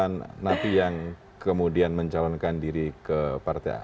mantan api yang kemudian mencalonkan diri ke partai